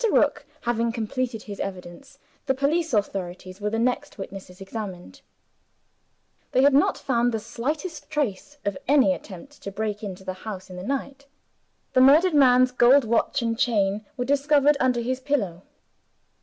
Rook having completed his evidence, the police authorities were the next witnesses examined. They had not found the slightest trace of any attempt to break into the house in the night. The murdered man's gold watch and chain were discovered under his pillow.